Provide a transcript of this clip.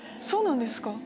そうなんですか。